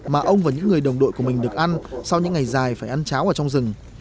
mà ông và những người đồng đội của mình được ăn sau những ngày dài phải ăn cháo ở trong rừng